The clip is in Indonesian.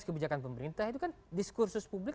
kebijakan pemerintah itu kan diskursus publik